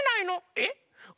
えっ？